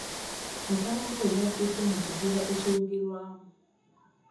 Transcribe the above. Mutabani we yabbidde mu kidiba ekiwugirwamu.